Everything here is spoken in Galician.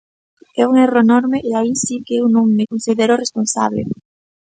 É un erro enorme e aí si que eu non me considero responsable.